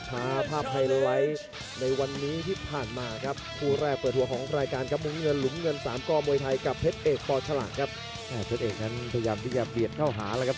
ขอตัวลาไปก่อนเดี๋ยวส่งตอบที่งานผู้บรรยายเลยครับ